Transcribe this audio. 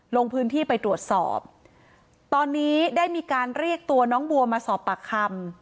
ลงพื้นที่ไปตรวจสอบตอนนี้ได้มีการเรียกตัวน้องบัวมาสอบปากคำ